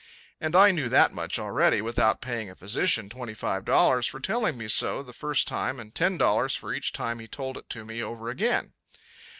And I knew that much already without paying a physician twenty five dollars for telling me so the first time and ten dollars for each time he told it to me over again.